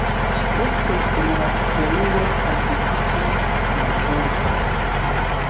Ĝi estas en la Perua Pacifika marbordo.